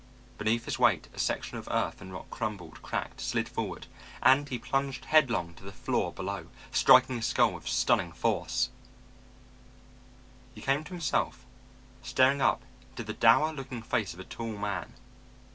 Beneath his weight a section of earth and rock crumbled, cracked, slid forward, and he plunged headlong to the floor below, striking his skull with stunning force! He came to himself, staring up into the dour looking face of a tall man.